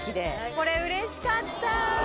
これ、うれしかった。